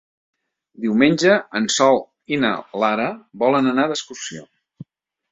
Diumenge en Sol i na Lara volen anar d'excursió.